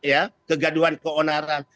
ya kegaduhan keonaran